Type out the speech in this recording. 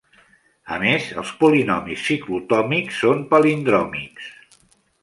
A més, els polinomis ciclotòmics són palindròmics.